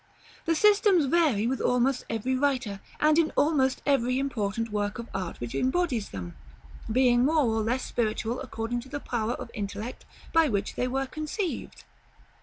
The systems vary with almost every writer, and in almost every important work of art which embodies them, being more or less spiritual according to the power of intellect by which they were conceived.